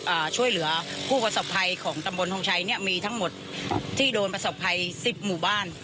อ่าช่วยเหลือผู้ประสบภัยของตำบลทงชัยเนี้ยมีทั้งหมดที่โดนประสบภัยสิบหมู่บ้าน